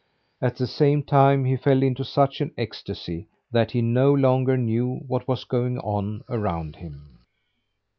At the same time he fell into such an ecstasy that he no longer knew what was going on around him.